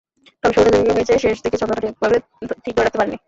তবে শুরুটা যেভাবে হয়েছে, শেষ দিকে ছন্দটা ঠিক ধরে রাখতে পারেননি।